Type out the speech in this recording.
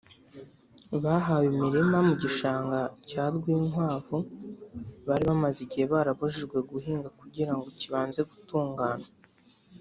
bahawe imirima mu gishanga cya Rwinkwavu bari bamaze igihe barabujijwe guhinga kugira ngo kibanze gutunganywa